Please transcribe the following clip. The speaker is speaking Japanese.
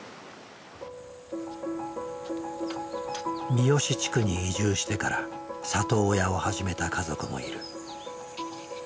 三義地区に移住してから里親を始めた家族もいる。